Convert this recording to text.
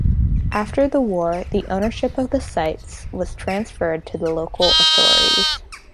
After the war the ownership of the sites was transferred to the local authorities.